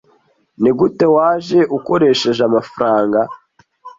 Nigute waje ukoresheje amafaranga?